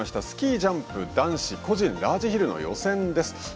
スキージャンプ男子へ個人ラージヒルの予選です。